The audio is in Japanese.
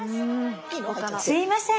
すいません。